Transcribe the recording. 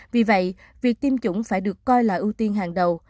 vì vậy việc tiêm chủng phải được coi là ưu tiên hàng đầu